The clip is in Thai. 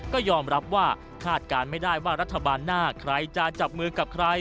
ก็ยอมรับว่าคาดการณ์ไม่ได้ว่ารัฐบาลหน้าใครจะจับมือกับใคร